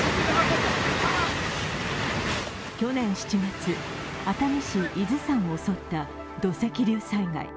去年７月、熱海市伊豆山を襲った土石流災害。